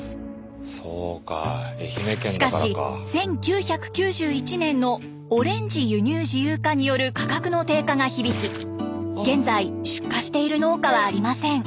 しかし１９９１年のオレンジ輸入自由化による価格の低下が響き現在出荷している農家はありません。